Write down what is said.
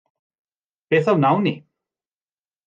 Beth a wnawn ni?